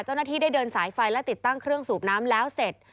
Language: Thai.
เจ้าหน้าที่ได้เดินสายไฟและติดตั้งเครื่องสูบน้ำแล้วเสร็จ